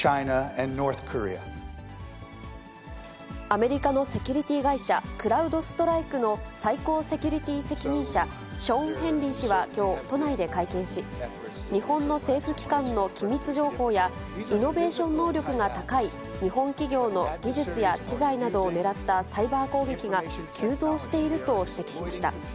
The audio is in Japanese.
アメリカのセキュリティー会社、クラウドストライクの最高セキュリティー責任者、ショーン・ヘンリー氏はきょう、都内で会見し、日本の政府機関の機密情報や、イノベーション能力が高い日本企業の技術や知財などを狙ったサイバー攻撃が急増していると指摘しました。